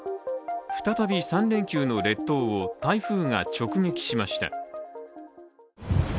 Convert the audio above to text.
再び３連休の列島を台風が直撃しました。